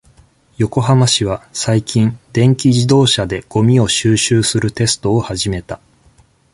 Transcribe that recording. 横浜市は、最近、電気自動車で、ごみを収集するテストを始めた。